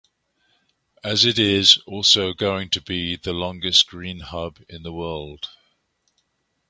As it is also going to be the longest green hub in the world.